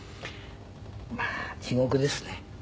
まあ地獄ですね。